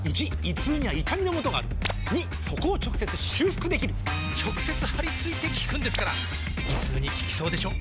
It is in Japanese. ①胃痛には痛みのもとがある②そこを直接修復できる直接貼り付いて効くんですから胃痛に効きそうでしょ？